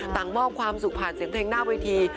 มอบความสุขผ่านเสียงเพลงหน้าเวที